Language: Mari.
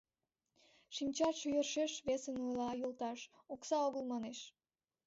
— Шинчатше йӧршеш весым ойла, йолташ: окса огыл, манеш.